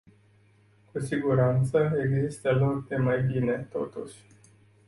Cu siguranță, există loc de mai bine, totuși.